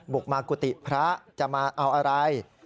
บุกมากุฏิพระจะมาเอาอะไร